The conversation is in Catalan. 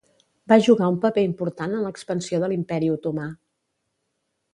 Va jugar un paper important en l'expansió de l'Imperi Otomà.